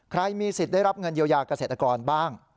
ใครมีสิทธิ์ได้รับเงินเยียวยาเกษตรกรบ้าง